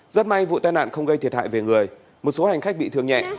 rất may vụ tai nạn không gây thiệt hại về người một số hành khách bị thương nhẹ